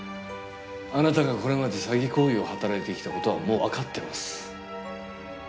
あなたがこれまで詐欺行為を働いてきたことはもう分かってます